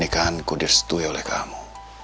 pernikahanku disetui oleh kamu